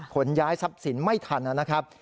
ขนย้ายทรัพย์สินไม่ทันนะครับ